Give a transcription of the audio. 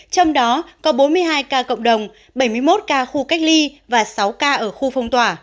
trong đó có bốn mươi hai ca cộng đồng bảy mươi một ca khu cách ly và sáu ca ở khu phong tỏa